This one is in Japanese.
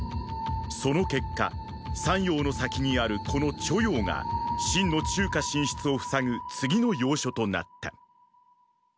その結果“山陽”の先にあるこの“著雍”が秦の中華進出を塞ぐ次の要所となった。